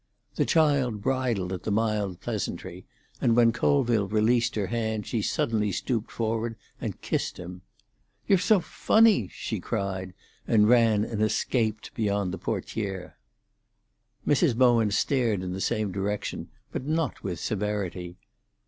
The child bridled at the mild pleasantry, and when Colville released her hand she suddenly stooped forward and kissed him. "You're so funny!" she cried, and ran and escaped beyond the portière. Mrs. Bowen stared in the same direction, but not with severity.